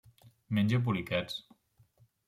Menja poliquets.